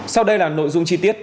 sau đây là nội dung chi tiết